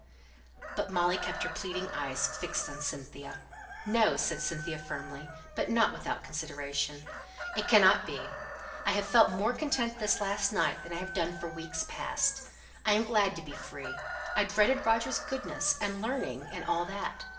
But Molly kept her pleading eyes fixed on Cynthia. "No!" said Cynthia firmly, but not without consideration. "It cannot be. I've felt more content this last night than I've done for weeks past. I'm glad to be free. I dreaded Roger's goodness, and learning, and all that.